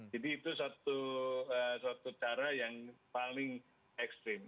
jadi itu satu cara yang paling ekstrim